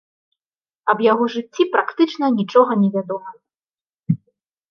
Аб яго жыцці практычна нічога невядома.